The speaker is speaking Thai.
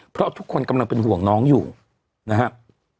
เพราะทุกคนกำลังเป็นห่วงน้องอยู่นะครับ